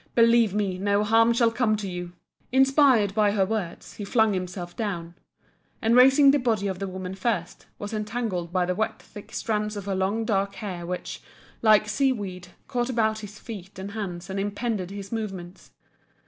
Believe me, no harm shall come to you!" Inspirited by her words, he flung himself down and raising the body of the woman first, was entangled by the wet thick strands of her long dark hair which, like sea weed, caught about his feet and hands and impeded his movements.